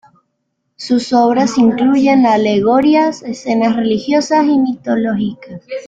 Sus obras incluyen alegorías, escenas religiosas y mitológicas.